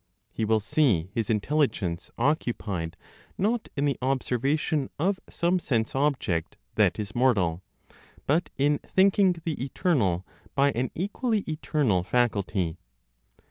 He will see his intelligence occupied, not in the observation of some sense object that is mortal, but in thinking the eternal by an equally eternal faculty.